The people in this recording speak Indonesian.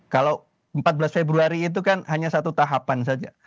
kalau empat belas februari itu kan hanya satu tahapan saja